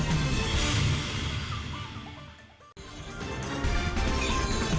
kalau nanya tentang kontrak yang batas saat ini bisa apa